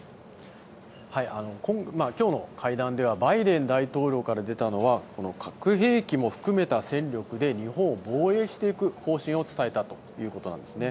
今日の会談でバイデン大統領から出たのはこの核兵器も含めた戦力で日本を防衛していく方針を伝えたということです。